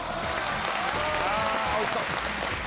おいしそう！